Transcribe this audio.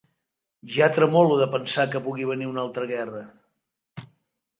Ja tremolo de pensar que pugui venir una altra guerra.